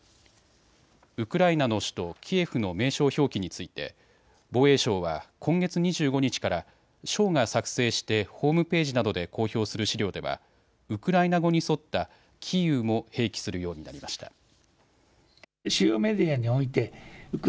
ウクライナの首都キエフの名称表記について防衛省は今月２５日から省が作成してホームページなどで公表する資料ではウクライナ語に沿ったキーウも併記するようになりました。